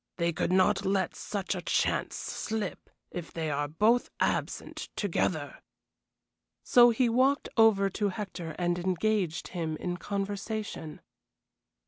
They could not let such a chance slip, if they are both absent together." So he walked over to Hector and engaged him in conversation.